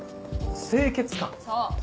清潔感⁉そう。